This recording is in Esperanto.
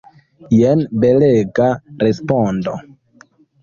Jen belega respondo!